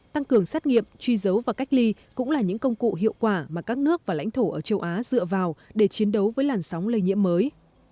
tăng cường xét nghiệm truy dấu và cách ly cũng là những công cụ hiệu quả mà các nước và lãnh thổ ở châu á dựa vào để chiến đấu với làn sóng lây nhiễm mới